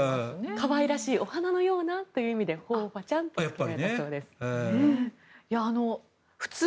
可愛らしいお花のようなということで和花ちゃんとなったそうです。